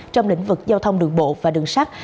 trong lĩnh vực giao thông đường bộ và đường sắt